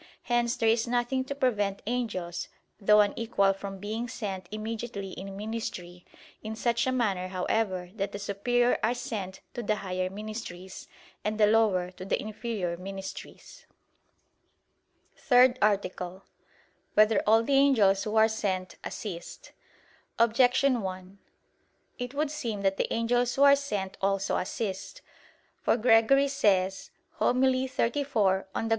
Hence there is nothing to prevent angels though unequal from being sent immediately in ministry, in such a manner however that the superior are sent to the higher ministries, and the lower to the inferior ministries. _______________________ THIRD ARTICLE [I, Q. 112, Art. 3] Whether All the Angels Who Are Sent, Assist? Objection 1: It would seem that the angels who are sent also assist. For Gregory says (Hom. xxxiv in Evang.)